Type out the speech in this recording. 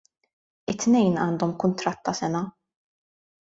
It-tnejn għandhom kuntratt ta' sena.